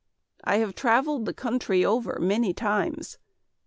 I have travelled the country over many times.